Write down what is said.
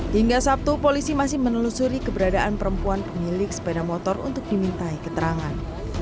hingga sabtu polisi masih menelusuri keberadaan perempuan pemilik sepeda motor untuk dimintai keterangan